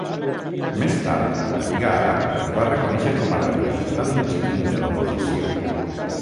Més tard, la Lliga Àrab el va reconèixer com a representant legítim de l'oposició.